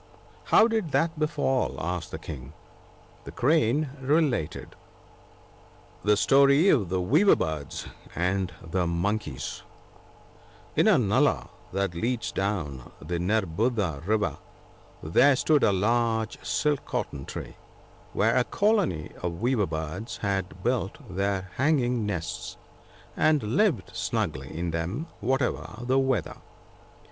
* How did that befall ?' asked the King. The Crane related :— @tf)e £totg of tlje Meatier 25itti£ anti N a nullah that leads down to the Nerbudda river there stood a large silk cotton tree, where a colony of weaver birds had built their hanging nests ( n ), and lived snugly in them, whatever the weather.